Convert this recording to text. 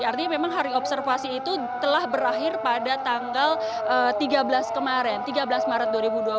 artinya memang hari observasi itu telah berakhir pada tanggal tiga belas kemarin tiga belas maret dua ribu dua puluh